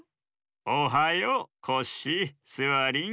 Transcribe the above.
おはようコッシースワリン。